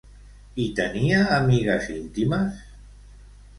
I tenia amigues íntimes?